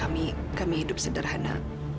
milo kami hidup sederhana